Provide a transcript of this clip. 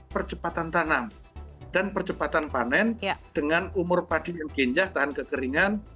percepatan tanam dan percepatan panen dengan umur padi yang ganja tahan kekeringan